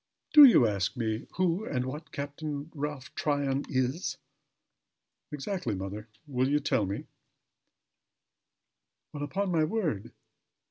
"Do you ask me who and what Captain Ralph Tryon is?" "Exactly, mother. Will you tell me?" "Well! upon my word!